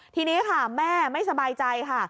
ทีนี้ค่ะแม่ไม่สบายใจค่ะ